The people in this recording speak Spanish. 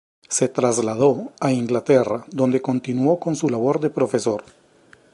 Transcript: Se trasladó a Inglaterra, donde continuó con su labor de profesor.